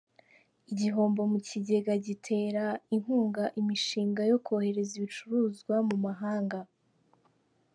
Igihombo mu Kigega gitera Inkunga imishinga yo kohereza Ibicuruzwa mu mahanga